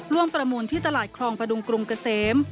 ประมูลที่ตลาดคลองประดุงกรุงเกษม